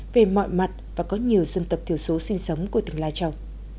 và có nhiều dân tộc thiểu số sinh sống của tỉnh lai châu